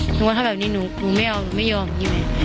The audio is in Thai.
หนูว่าถ้าแบบนี้หนูไม่เอาหนูไม่ยอมอย่างนี้